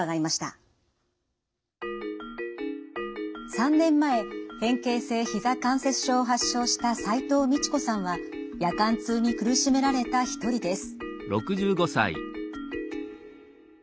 ３年前変形性ひざ関節症を発症した齋藤道子さんは夜間痛に苦しめられた一人です。